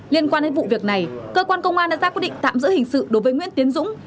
liên quan đến vụ việc này cơ quan công an đã ra quyết định tạm giữ hình sự đối với nguyễn tiến dũng